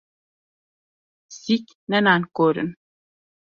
Pisîk, ne nankor in!